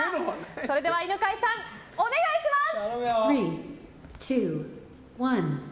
それでは犬飼さん、お願いします。